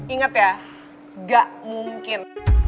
ingat ya gak mungkin